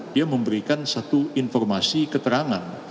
dia memberikan satu informasi keterangan